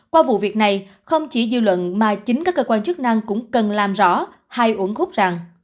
qua vụ việc này không chỉ dư luận mà chính các cơ quan chức năng cũng cần làm rõ hai uốn hút rằng